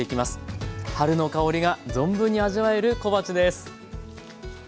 春の香りが存分に味わえる小鉢です。